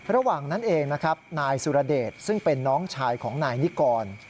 ระหว่างนั้นเองนะครับนายสุรเดชซึ่งเป็นน้องชายของนายนิกร